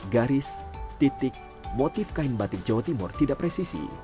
garis titik motif kain batik jawa timur tidak presisi